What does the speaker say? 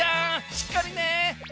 しっかりね！